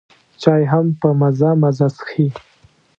چای هم په مزه مزه څښي.